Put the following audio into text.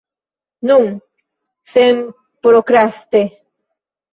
Nun, senprokraste.